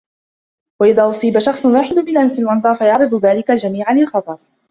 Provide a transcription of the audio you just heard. وإذا أصيب شخص واحد بالإنفلونزا فيعرض ذلك الجميع للخطر.